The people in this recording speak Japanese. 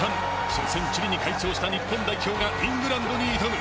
初戦チリに快勝した日本代表がイングランドに挑む。